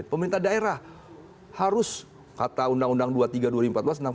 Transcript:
pemerintah daerah harus kata undang undang dua puluh tiga ribu dua ratus empat puluh enam